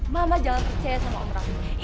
mama jangan percaya sama om rafiq